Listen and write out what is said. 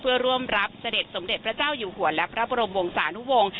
เพื่อร่วมรับเสด็จสมเด็จพระเจ้าอยู่หัวและพระบรมวงศานุวงศ์